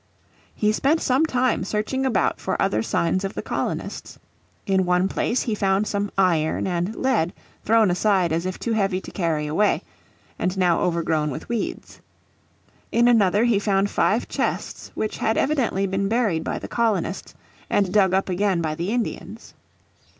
He spent some time searching about for other signs of the colonists. In one place he found some iron and lead thrown aside as if too heavy to carry away, and now overgrown with weeds. In another he found five chests which had evidently been buried by the colonists, and dug up again by the Indians.